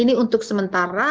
ini untuk sementara